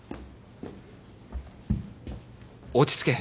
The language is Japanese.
落ち着け。